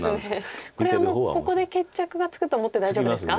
これはもうここで決着がつくと思って大丈夫ですか？